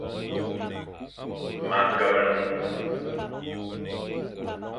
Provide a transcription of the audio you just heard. Ma keghle nku.